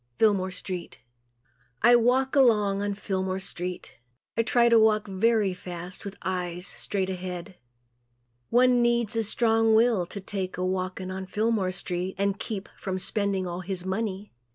Fillmore Street I walk along on Fillmore street. I try to walk very fast with eyes straight ahead. One needs a strong will to take a walking on Fillmore street and keep from spending all his money.